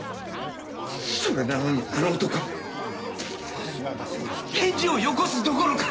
それなのにあの男は返事をよこすどころか！